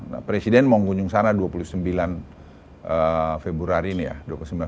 nah presiden mau mengunjung sana dua puluh sembilan februari ini ya